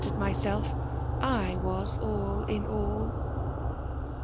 tered myself I was all in all